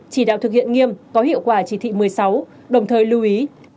chỉ đạo thực hiện nghiêm có hiệu quả chỉ thị một mươi sáu đồng thời lưu ý